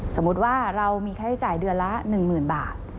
สมมุติว่าเรามีค่าใช้จ่ายเดือนละ๑๐๐๐บาท